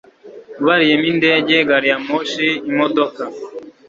ubariyemo indege, gari ya moshi, imodoka…